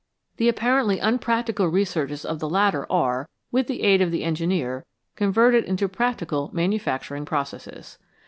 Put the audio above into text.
The appar ently unpractical researches of the latter are, with the aid of the engineer, converted into practical manufactur ing processes.